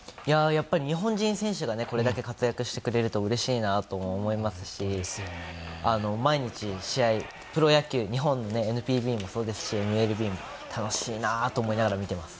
やっぱり日本人選手がこれだけ活躍してくれるとうれしいなと思いますし毎日試合、プロ野球、日本のＮＰＢもそうですしＮＬＢも楽しいなと思います。